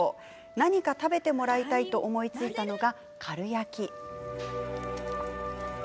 何か食べてもらいたいと思いついたのが、かるやき。